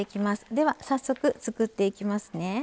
では、早速、作っていきますね。